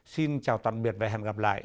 xin chào tạm biệt và hẹn gặp lại